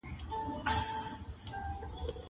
خو ته چی ولاړې زما زړه کي دي اورونه بل کړل